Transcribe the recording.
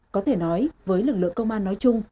có thể nói với lực lượng công an nói chung